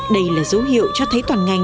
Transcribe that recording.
đây là dấu hiệu cho thấy toàn ngành